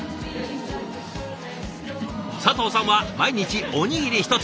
佐藤さんは毎日おにぎり１つ。